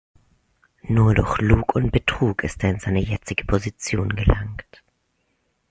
Nur durch Lug und Betrug ist er in seine jetzige Position gelangt.